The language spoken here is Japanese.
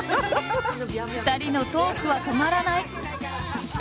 ２人のトークは止まらない。